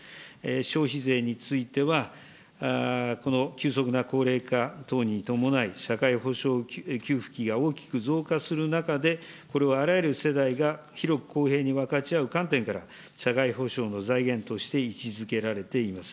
消費税については、この急速な高齢化等に伴い、社会保障給付費が大きく増加する中で、これはあらゆる世代が広く公平に分かち合う観点から、社会保障の財源として位置づけられています。